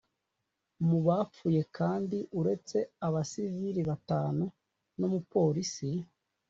Mu bapfuye kandi uretse abasivili batanu n’umupolisi